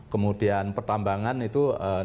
kemudian pertambangan itu enam belas delapan